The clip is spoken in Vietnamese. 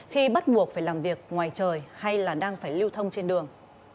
khi bắt buộc phải làm việc ngoài trời hay là đang phải lưu thông trên đường